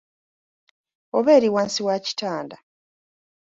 Oba eri wansi wa kitanda?